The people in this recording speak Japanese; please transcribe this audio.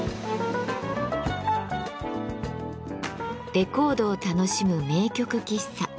レコードを楽しむ名曲喫茶。